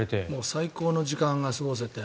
最高の時間が過ごせて。